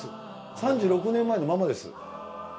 ３６年前のままです。